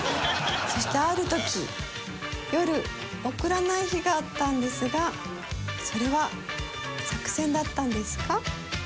そしてある時夜送らない日があったんですがそれは作戦だったんですか？